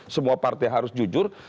semua partai harus jujur